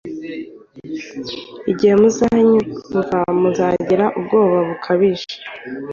igihe muzacyumva muzagira ubwoba bukabije.